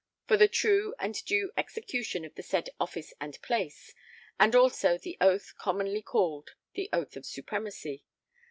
for the true and due execution of the said office and place, and also the oath commonly called the Oath of Supremacy....